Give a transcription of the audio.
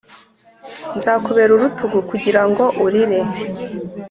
nzakubera urutugu kugirango urire